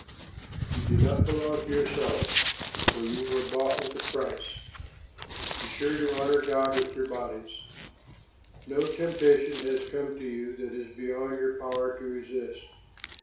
You do not belong to yourselves, for you were bought for a price. Be sure to honor God with your bodies. No temptation has come to you that is beyond your power to resist.